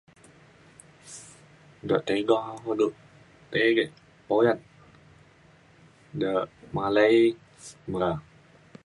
dak tiga me du tei puyat de malai meka